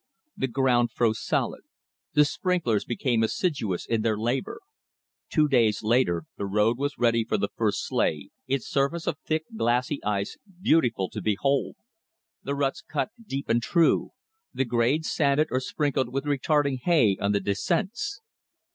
The ground froze solid. The sprinklers became assiduous in their labor. Two days later the road was ready for the first sleigh, its surface of thick, glassy ice, beautiful to behold; the ruts cut deep and true; the grades sanded, or sprinkled with retarding hay on the descents.